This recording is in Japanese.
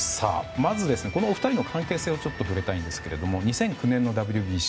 まず、お二人の関係性に触れたいんですけど２００９年のＷＢＣ。